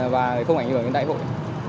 và không ảnh hưởng đến đại hội